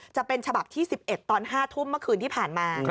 จะเป็นฉบับที่๑๑ตอน๕ทุ่มเมื่อคืนที่ผ่านมา